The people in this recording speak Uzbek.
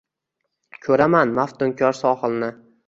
Ko’raman maftunkor sohilni